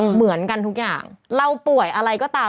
เหมือนกันทุกอย่างเราป่วยอะไรก็ตาม